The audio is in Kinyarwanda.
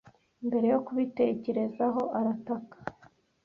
mbere yo kubitekerezaho arataka